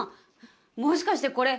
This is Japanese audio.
もしかしてこれ。